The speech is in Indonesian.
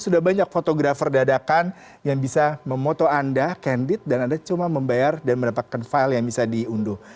sudah banyak fotografer dadakan yang bisa memoto anda candid dan anda cuma membayar dan mendapatkan file yang bisa diunduh